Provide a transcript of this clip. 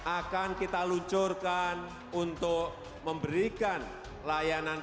akan kita luncurkan untuk memberikan layanan